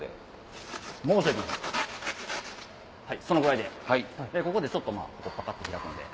はいそのぐらいでここでちょっとパカっと開くんで。